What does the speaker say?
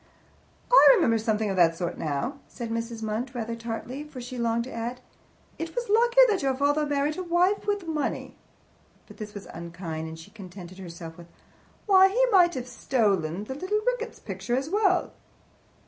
"I remember something of the sort now," said Mrs. Munt, rather tartly, for she longed to add, "It was lucky that your father married a wife with money." But this was unkind, and she contented herself with, "Why, he might have stolen the little Ricketts picture as well."